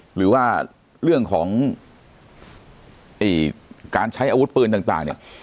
หรือว่าเรื่องของเอ่ยการใช้อาวุธเปินต่างต่างเนี้ย